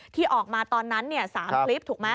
ที่ออกมาตอนนั้น๓คลิปถูกไหม